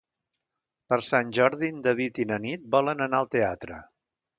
Per Sant Jordi en David i na Nit volen anar al teatre.